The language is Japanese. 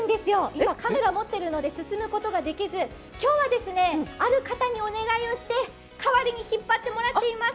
今、カメラを持っているので進むことができず今日はある方にお願いをして、代わりに引っ張ってもらってます。